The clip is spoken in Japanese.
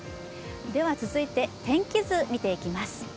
続いて天気図、見ていきます。